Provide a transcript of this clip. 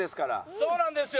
そうなんですよ。